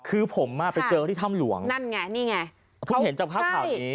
คือผมมาไปเจอเขาที่ถ้ำหลวงนั่นไงนี่ไง